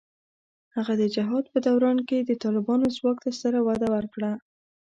هغه د جهاد په دوران کې د طالبانو ځواک ته ستره وده ورکړه.